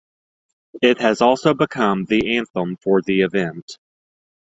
It has also become the anthem for the event.